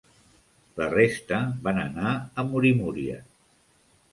La resta van anar a Murimuria.